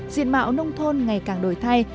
diện mạo nông thôn ngày càng đổi thay